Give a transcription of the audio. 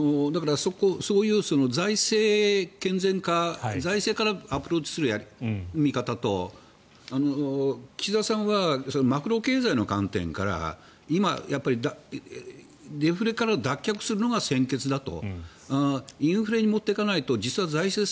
そういう財政健全化財政からアプローチする見方と岸田さんはマクロ経済の観点から今、デフレから脱却するのが先決だと。